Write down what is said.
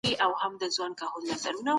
هره پريکړه بايد د قانون په رڼا کي وسي.